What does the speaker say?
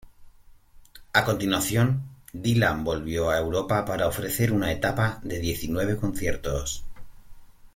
A continuación, Dylan volvió a Europa para ofrecer una etapa de diecinueve conciertos.